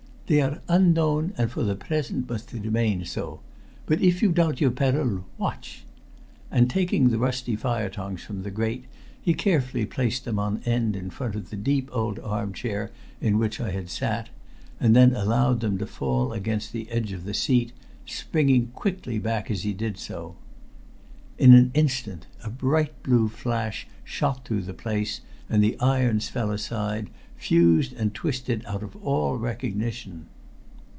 "They are unknown, and for the present must remain so. But if you doubt your peril, watch " and taking the rusty fire tongs from the grate he carefully placed them on end in front of the deep old armchair in which I had sat, and then allowed them to fall against the edge of the seat, springing quickly back as he did so. In an instant a bright blue flash shot through the place, and the irons fell aside, fused and twisted out of all recognition.